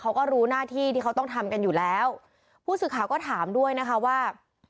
เขาก็รู้หน้าที่ที่เขาต้องทำกันอยู่แล้วผู้สื่อข่าวก็ถามด้วยนะคะว่า